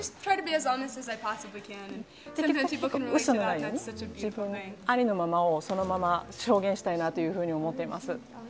ウソのないように、自分のありのままをそのまま表現したいなというふうに思っています。